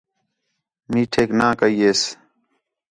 میٹھیک نہ کَئی ہِس